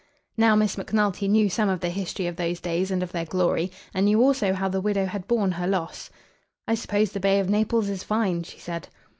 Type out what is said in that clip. Now Miss Macnulty knew some of the history of those days and of their glory, and knew also how the widow had borne her loss. "I suppose the bay of Naples is fine," she said.